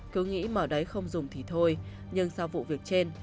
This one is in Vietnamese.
cứ nghĩ mỏ đấy không dùng thì thôi nhưng sau vụ việc trên